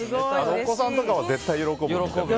お子さんとかは絶対喜ぶと。